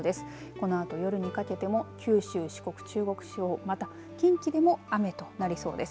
このあと夜にかけても九州、四国、中国地方また近畿でも雨となりそうです。